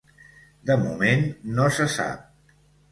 De moment, no se sap.